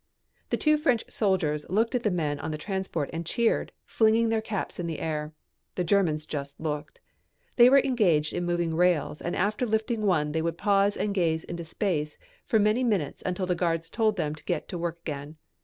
The two French soldiers looked at the men on the transport and cheered, flinging their caps in the air. The Germans just looked. They were engaged in moving rails and after lifting one they would pause and gaze into space for many minutes until the guards told them to get to work again.